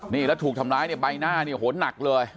นี่แล้วถูกทำร้ายเนี่ยใบหน้าเนี่ยโหหนักเลย